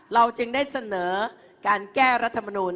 เราจึงได้เสนอการแก้รัฐมนูล